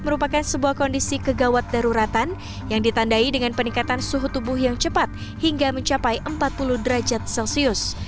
ini merupakan sebuah kondisi kegawat daruratan yang ditandai dengan peningkatan suhu tubuh yang cepat hingga mencapai empat puluh derajat celcius